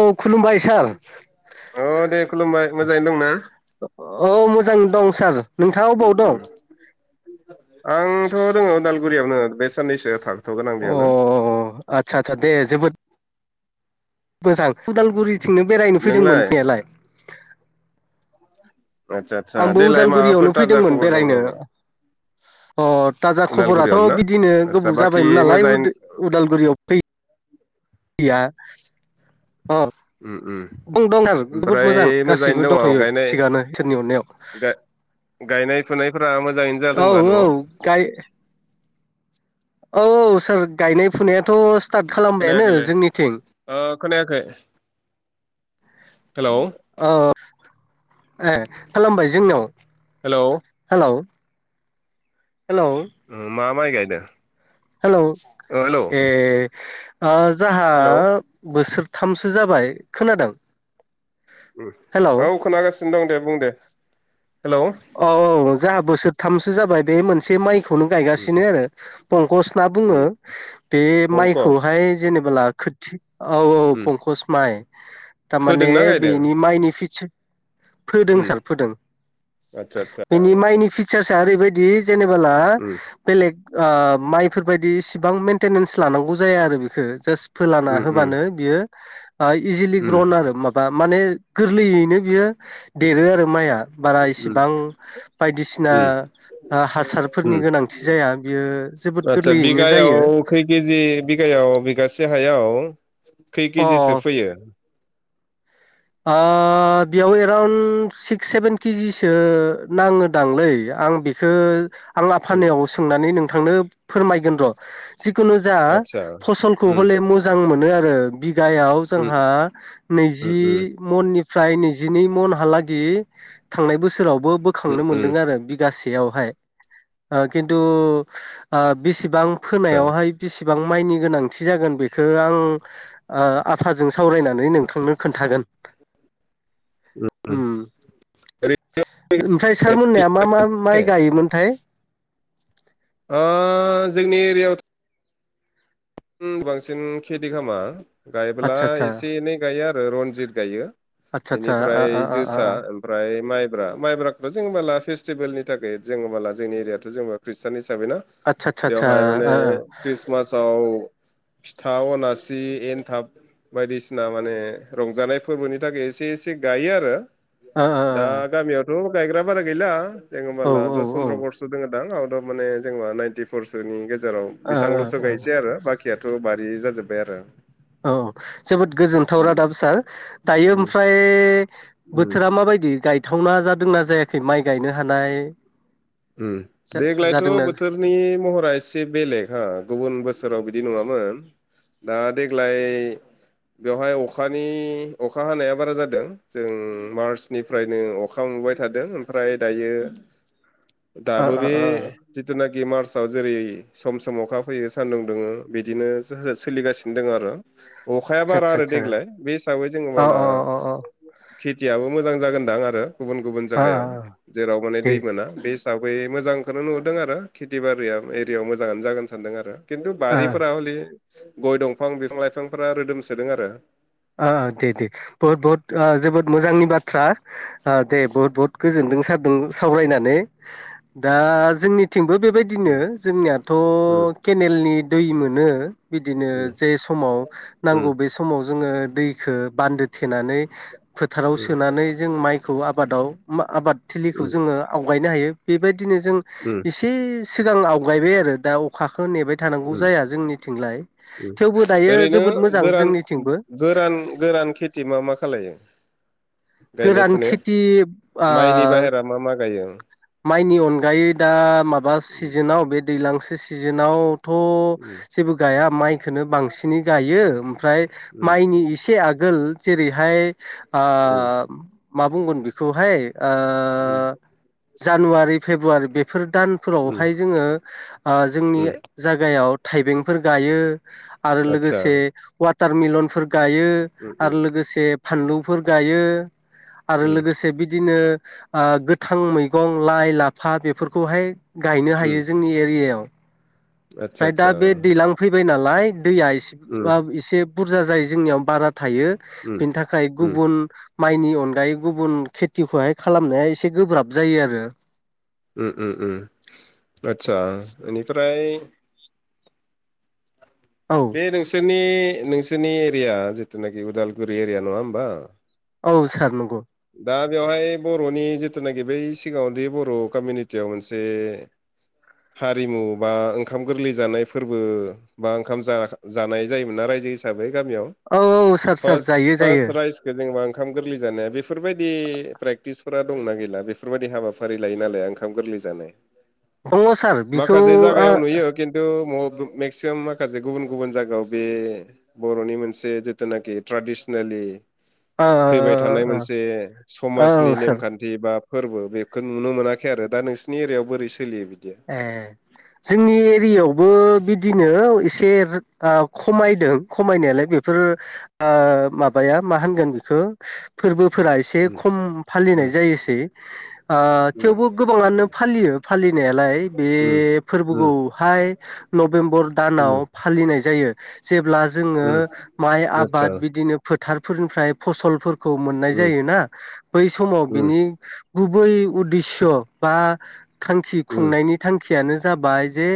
औ खुलुमबाय सार औ दे खुलुमबाय मोजाङैनो दंना औ मोजां दं सार नोंथाङा उम अबाव उम दं आंथ' दङ उदालगुरियावनो बे साननैसो थां अ आदसा आदसा दे जोबोद मोजां उदालगुरि थिंनो बेरायनो नोंलाय फैदोंमोन फैनायालाय आदसा आदसा आंबो देलाय माबाफोर उदालगुरियावनो थाजा फैदोंमोन खबर दं बेरायनो नामा अ थाजा खबराथ' उदालगुरियावनो ना बिदिनो आदसा गोबाव बाखि जाबायमोन नालाय मोजाङै उदालगुरियाव फै यैया उम उम बुं दं आरो जोबोद ओमफ्राय मोजां मोजाङैनो गासैबो दङ दंथ'यो गायनाय थिगानो इसोरनि अननायाव गायनाय फुनायफोरा मोजाङैनो औ जादोंबा औ न' गाय औ औ सोर गायनाय फुनाय थ' स्टार्ट खालामबायानो खोनायाखैलै जोंनिथिं ओ खोनायाखै हेलौ अ ए खालामबाय जोंनियाव हेल' औ हेलौ उम मा माइ गायदों हेलौ ओ ए जोहा हेलौ बोसोर थामसो जाबाय खोनादों हेलौ औ खोनागासिनो दं दे बुं दे हेलौ औ औ जोंहा बोसोरथामसो जाबाय बे मोनसे माइ खौनो उम गायगासिनो आरो पंकस होनना उम बुङो बे पंकस माइखौहाय जेनेबोला खोथि औ औ उम पंकस माइ थारमाने फोदोंना गायदों बेनि माइनि फिचार फोदों सार फोदों आतसा आतसा साया ओरैबायदि जेनेबोला बेलेग माइफोर बायदि इसिबां मेेनटेनेन्स लानांगौ जाया आरो बेखौ जास्ट फोलाना उम उम होबानो बियो। इजिलि उम ग्रहन आरो माबा माने गोरलैयैनो बियो देरो आरो माइआ। उम इसेबां बायदिसिना उम हासारफोरनि गोनांथि जाया बियो ज। आतसा बिगायाव खै केजि बिगायाव बिगासे। देहायाव खै कि जि अ सो फोयो। बेयाव एराउन्ड सिक्स सेभेन केजिसो नाङोदांलै। आं बेखौ आं उम आफानाव सोंनानै नोंथांनो फोरमायगोन र'। जिखुनु जा आदसा फसलखौ उम हले मोजां मोनो आरो बि। गायाव उम जोंहा उम नैजि। मननिफ्राय नैजिनै मनहालागै थांनाय बोसोर। बोसोरावबो उम बोखांनो उम मोनदों आरो बिगासे। खिथु बिसेबां आदसा फोनायावहाय। एसेबां माइनि गोनांथि जागोन बेखौ आं। आफाजों सावरायनानै नोंथांनो खोन्थागोन। उम हम। उम ओमफ्राय सारमोननाया मा मा माइ ओरैनो गायोमोनथाय। जोंनि एरियायाव। बांसिन खेथि खालामामा। गायब्ला आदसा एसे एनै गायो आरो रनजित गायो। आदसा बेनिफ्राय जोसा ओमफ्राय माइब्रा माइब्राखौथ' जेनेबा लाफि। फेस्टिभेलनि थाखाय जोङो माला जों एरियाथ' जों खृष्टाननि। आदसा आदसा बेवहाय माने ख्रिस्टमासाव। [inaudible] फिथा अनासि एनथाब बायदिसिना माने रंजानाय फोरबोनि थाखाय एसे एसे। गायो आरो। ओ। बे' गायग्रा बारा गैला दङ होमबोला ओ आदसा ओ दस ओ पन्द्र' खरस दङदां। म जानाइसोनि गेजेराव औ बेसेबांल'सो गायनोसै आरो बे बारि जाजोबबाय आरो। औ जोबोद गोजोनथाव उम रादाब सार दायो उम ओमफ्राय उम बोथोरा माबायदि। दि गायथावना जादोंना जायाखै माइ गायनो हानाय। जा देग्लायथ' जादोंना बोथोरनि महरा एसे बेलेग हा गुबुन बोसोराव बिदि। बिदि नङामोन दा देग्लाय। बेवहाय अखानि अखा हानाया बारा जादों जों मार्चनिफ्रायनो अखा। नेबाय थादों ओमफ्राय दायो। [inaudible] दाब' ओ बे ओ जथना। बि मार्चआव जेरै सम सम अखा फैयो सानदुं दुङो बिदिनो सोलिगासिनो दङ आरो। अखाया आदसा बारा आदसा आरो आदसा देग्लाय बे हिसाबै जोङो अ मावला अ खोथियाबो मोजां जागोनदां आरो गुबुन गुबुन ओ जायगायाव जेराव माने दे दै मोना बे। दा बै मोजांखौनो नुदों आरो खेथि बारिया एरियायाव मोजाङानो जागोन सानदों आरो। खिन्थु ओ बारिफोरा हलि गय दंफां बिफां लाइफांफोरा रोदोमसोदों आरो। ओ दे दे बहुद बहुद ओ जोबोद मोजांनि बाथ्रा दे बहुद बहुत गोजोन्दों सार। सावरायनानै दा जोंनि। थिंबो बेबायदिनो जोंनियाथ' केनेलनि दै मोनो। बिदिनो जे समाव नांगौ बे समाव जोङो दैखौ‌ बान्दो थेनानै। फोथाराव सोनानै जों माइखौ आबादाव आबाद थिलिखौ जोङो आवगायनो हायो बेबायदि। बिदिनो जों इसे सिगां आवगायबाय आरो दा अखा। खौ नेबाय थानांगौ जाया जोंनिथिंलाय थेवबो दायो ओरैनो जोबोद मोजां गोरान जोंनिथिंबो। गोरान गोरान खेथि मा मा खालायो। गायनाय गोरान फुनायाव खेथि ओ माइनि बाहेरा मा मा गायो माइनि अनगायै दा माबा सिजोनाव बे दैज्लांसे सिजोनाव थ' जेबो गाया माइखौनो बांसिनै गायो ओमफ्राय माइनि इसे आ गोल जेरैहाय ओ मा बुंगोन बेखौहाय ओ जानुवारि फेब्रुवारि बेफोर दानफोरावहाय जोङो ओ जोंनि जायगायाव थाइ- बेंफोर आरो आतसा लोगोसे वाटारमलनफोर गायो आरो लोगोसे फानलुफोर गायो। आरो लोगोसे बिदिनो ओ गोथां। मैगं लाइ लाफा बेफोरखौहाय गायनो हायो जोंनि एरियायाव आतसा ओमफ्राय दा बे आतसा दैज्लां फैबाय नालाय दैया एसे उम एसे बुरजा जायो जोंनियाव बारा। थायो उम बेनि थाखाय उम गुबुन माइनि अनगायै गुबुन खेथिखौहाय खालामनाया एसे गोब्राब जायो आरो उम उम उम आतसा इनिफ्राय औ बे नोंसोरनि नोंसोरनि एरिया जिथुनाखि उदालगुरि एरिया नङा होमबा औ सार नगौ दा बेवहाय बर'नि जिथुनाखि बै सिगाङावदि बर' कमिउनिटियाव मोनसे हारिमु बा ओंखाम गोरलै जानाय फोरबो बा ओंखाम जा जानाय जायोमोन न राय- जो हिसाबै गामियाव औ औ सार सार फास जायो जायो फास रायस खो जेनेबा ओंखाम गोरलै जानाया बेफोरबायदि प्रेक्टिसफोरा दंना गैला बेफोरबायदि हाबाफारि लायो लाया ओंखाम गोरलै जानाय दङ सार बेखौ माखासे ओ जागायाव नुयो खिन्थु मेक्सिमाम माखासे गुबुन गुबुन जायगायाव बे बर'नि मोनसे जिथुनाखि ट्रेडिसनेलि ओ फैबाय थानाय ओ मोनसे औ समाजनि सार नेमखान्थि बा फोरबो बेखौ नुनो मोनाखै आरो दा नोंसोरनि एरियायाव बोरै सोलियो बा ए जोंनि एरियायावबो बिदिनो एसे खमायदों खमायनायालाय बेफोर ओ माबा या मा होनगोन बेखौ फोरबो फोरा एसे उम खम फालिनाय उम जायोसै उम थेवबो गोबाङानो फालियो फालिनाया लाय बे उम फोरबोखौहाय नभेम्बर उम दानाव फालिनाय जायो जेब्ला जोङो उम माइ आतसा आबाद बिदिनो फोथारफोरनिफ्राय फसलफोर खौ मोननाय उम जायोना बै समाव उम बिनि उम गुबै उद्दिेस्स' बा थांखि खुंनायनि थांखियानो जाबाय जे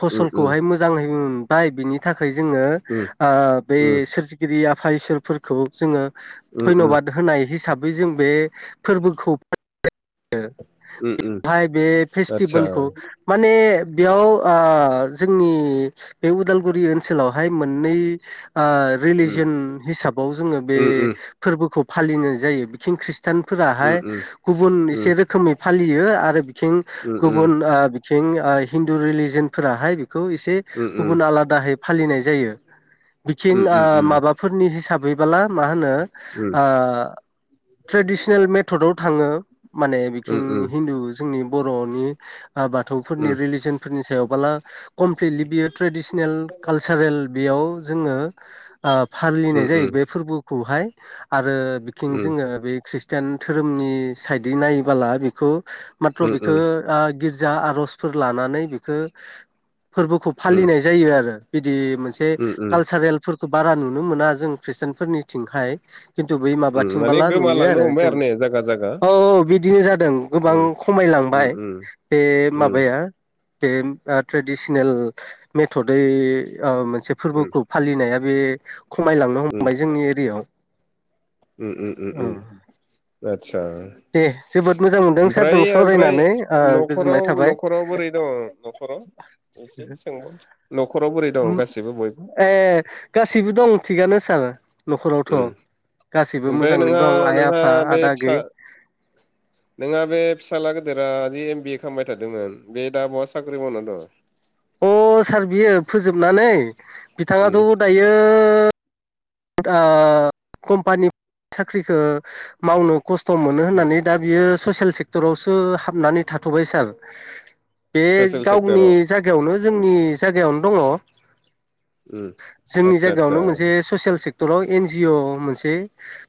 फसलखौहाय मोजां मोनबाय बिनि था- खाय जोङो उम ओ बे सोरजिगिरि आफा इसोरफोरखौ जोङो धन्य'बाद होनाय हिसाबै जों बे फोरबोखौ फालिनाय जायो आ- उम उम रो बेहाय बे आतसा फेस्टिभेलखौ माने बेयाव ओ जोंनि बे उदालगुरि ओनसोलावहाय मोननै ओ उम रिलिजन हिसाबाव जोङो बे उम उम फोरबोखौ फालिनाय जायो बिथिं खृ- ष्टान उम फोराहाय उम गुबुन उम एसे रोखोमै फालियो आरो बिथिं उम गुबुन बिथिं हिन्दु रिलिजन फोराहाय बे खौ एसे उम गुबुन आलादाहै फालिनाय जायो। बिथिं उम माबाफोरनि हिसा- बैबोला मा होनो उम ओ ट्रेडिसनेल मेथदाव थाङो माने उम बिथिं उम हिन्दु जोंनि बर'नि बाथौफोरनि उम रिलिजनफोरनि सायावबोला कमप्लिटलि बियो ट्रेडिसनेल कालसारेल बेयाव जोङो फालिनाय उम ओ जायो। बे बे फोरबोखौहाय आरो बिथिं उम जोङो बे खृ- ष्टान धोरोमनि साइदै नायबोला बेखौ माथ्र' उम बेखौ उम ओ गिर्जा आर'जफोर लानानै बेखौ फोरबोखौ उम उम फालिनाय जायो आरो बि मोनसे उम उम कालसारेलफोरखौ बारा नुनो मोना जों खृस्टानफोरनि थिंहाय खिन्थु बै उम माने माबाथिंबोला नुयो गोमालांनो आरो हमबाय जों ने जागा जागा औ औ बि बिदिनो जादों गोबां उम उम खमायलांबाय उम बे उम माबाया बे ट्रेडिसनेल मेथदै मोनसे उम फोरबोखौ फालिनाया बे खमायलांनो हमबाय जोंनि एरियायाव उ उ ओं उ आतसा दे जोबोद मोजां मोनदों सारजों सावरायनानै गोजोननाय न'खराव थाबाय न'खराव बोरै दङ न'खराव एसे सोंबाव न'खराव बोरै दं गासैबो बयबो ए गासैबो दं थिगानो सार न'खरावथ' उम गासिबो ओमफ्राय मोजाङैनो नोंहा दं आइ नोंहा आफा बे आदा आगै फिसा [inaudible] नोंहा बे फिसाज्ला गेदिरा जि एमबिए खालामबाय थादोंमोन बे दा बहा साख्रि मावना दं अ सार बियो फोजोबनानै उम बिथाङाथ' दायो कम्पानि साख्रिखौ मावनो खस्थ' मोनो उम होननानै दा बियो ससियेल सेक्टरावसो हाबनानै थाथ'बाय सार बे ससियेल गावनि सेक्टराव जायगायावनो जोंनि जायगायावनो दङ उ आतसा आतसा ससियेलल सेक्टराव एन जिअ मोनसे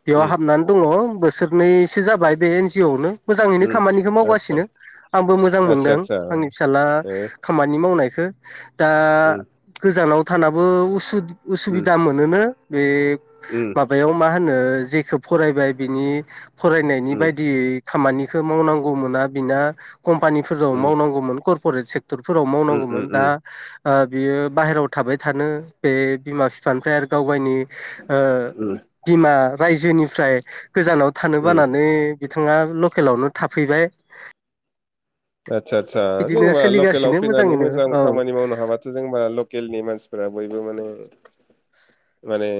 बेयाव उम हाबनानै दङ अ बोसोरनैसो जाबाय बे एन जि अवनो मोजाङैनो उम खामानिखौ आतसा मावगासिनो आंबो मोजां आतसा मोनदों आतसा आंनि फिसाजोला ए खामानि मावनाय बेखौ दा उम गोजानाव थानाबो उ उम उसुबिदा मोनोनो बे उम माबायाव मा होनो जेखौ फरायबाय बिनि फरायनायनि उम बायदियै खामानिखौ मावनांगौ मोना बिना कम्पानिफोराव उम मावनांगौमोन करर्प'रेट सेक्टरफोराव उम उम मावनांगौमोन दा उम बियो बाहेरायाव थाबाय थानो बे बिमा बिफानिफ्राय आरो गाव गावनि उम बिमा रायजोनिफ्राय गोजानाव थानो उम बानानै बिथाङा लकेलावनो थाफैबाय आदसा आटसा बिदिनो जोंबा लकेलाव सोलिगासिनो फैनानै मोजाङैनो मोजां औ खामानि मावनो हाबाथ' जोंबा लकेलनि मानसिफोरा बयबो माने माने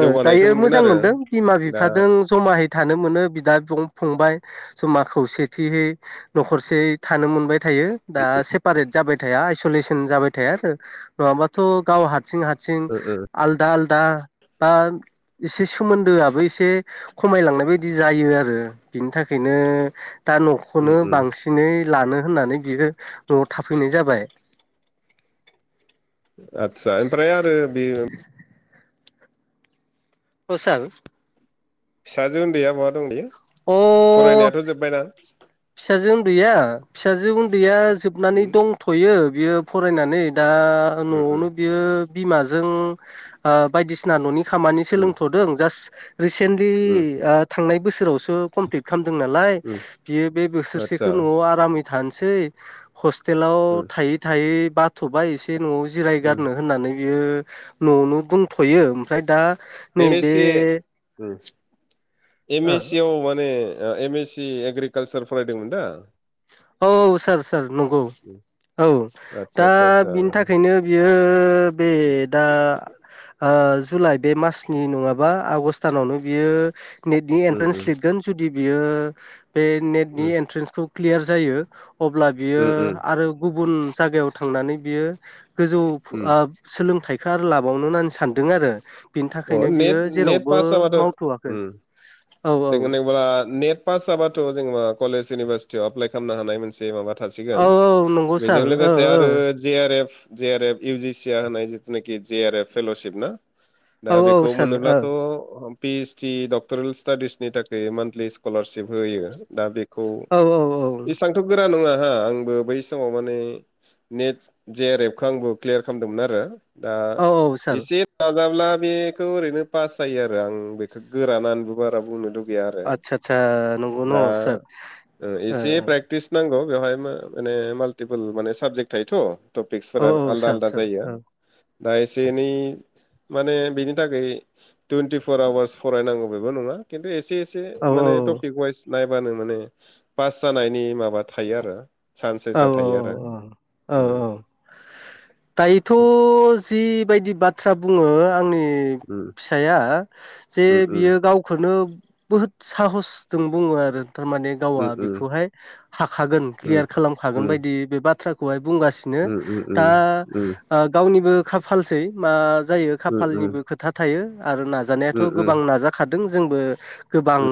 जौगानायखौ दायो मोनगोन मोजां आरो मोनदों बिमा दा बिफाजों जमाय हैै थानो मोनो बिदा बिं फंबाय जमा खौसेथियै न'खरसे थानो मोनबाय थायो दा सेपारेट जाबाय थाया आयसलेसन जाबाय थाया नङाबा दं ' गाव हारसिं हारसिं ओ सिं ओ आलदा आलदा बा एसे सोमोन्दोआबो एसे खमायलांनाय बायदि जायो आरो बिनि थाखाय बेायनो दा उम न'खौनो उम बांसिनै लानो होननानै बियो न'आव थाफैनाय जाबाय आतसा ओमफ्राय आरो बे औ सार फिसाजो उन्दैया बहा दं दायो अ फरायनायाथ' जोब्बायना फिसाजो उन्दैया फिसाजो उन्दैया जोबनानै उम दंथ'यो बियो फरायनानै दा उम उम न'आवनो बियो बिमाजों बायदिसिना न'नि खामानि उम सोलोंथ'दों जास्ट रिसेन्टलि उम थांनाय बोसोरावसो कमप्लिट खालामदों नालाय उम बियो बे आतसा बोसोरसेखौ न'आव आरामै थानोसै हसटेल हस्टेलाव उम थायै थायै बाथ'बाय एसे न'आव उम जिरायगारनो होननानै बियो न'आवनो बुंथ'यो ओमफ्राय दा एम एस नैबे सि उम एम एस सि आव माने एम एस सि एग्रिकालसार फरायदोंमोन दा औ सार सार नंगौ औ आदसा दा आदसा आदसा बिनि थाखायनो बे बेयो बे उम दा जुलाइ बे मासनि नङाबा आगस्ट दानावनो बियो नेटनि एन्ट्रेन्स उम लिरगोन जुदि बियो बे नेटनि उम एन्ट्रेन्सखौ क्लियार जायो अब्ला बियो उम उम आरो गुबुन जायगायाव थांनानै बियो गोजौ उम सोलोंथाइखौ आरो लाबावनो होननानै सानदों आरो बिनि अ थाखायनो बियो नेट जेरावबो मावथ'वाखै औ जला [unintelligible] नेट पास जाबाथ' जोङो कलेज इउनिभारसिटियाव एप्लाइ खालामनो हानाय मोनसे माबा औ थासिगोन औ नंगौ सार बेजों ओ लोगोसे ओ आरो G R F J R F इउजिसिआ होनाय जिथुनाखि जे आर एफ फेल'शिप ना दा औ औ बेखौ सार औ मोनोब्लाथ' पिएसडि डक्टरेल स्टाडिसनि थाखाय मानथलि स्कलारशिप होयो दा बे खौ औ औ एसांथ' गोरा नङा हा आंबो बै समाव माने नेट जेआार एफखौ आंबो क्लियार खालामदोंमोन आरो दा औ औ सार एसे नाजाब्ला बेखौ ओरैनो पास जायो आरो आं बेखौ गोरानानैबो बारा बुंनो गैया आरो आदसा आदसा नंगौ दा न' सार ओ एसे प्रेक्टिस नांगौ बेवहाय माने माल्टिपोल माने साबजेक्ट थायोथ' औ टपिक्सफोरा आलदा सार आलदा सार जायो औ दा एसे एनै माने बेनि थाखाय थुइनटिफर आवारस फरायनांगौ बेबो नङा खिनथु एसे एसे औ माने टपिक वाइस नायबानो माने पास जानायनि माबा थायो आरो औ सान्सेस थायो आरो औ उम औ दायोथ' जिबायदि बाथ्रा बुङो आंनि उम फिसाया जे उम बियो गावखौनो बहुद साहसजों बुङो आरो थारमाने गावा उम उम बेखौहाय हाखागोन उम क्लियार खालामखागोन उम बायदि बे बाथ्राखौहाय बुंगासिनो उम उम दा उम उम गावनिबो खाफालसै मा जायो उम उम खाफालनिबो खोथा थायो आरो उम नाजानायाथ' उम गोबां नाजाखादों जोंबो गोबां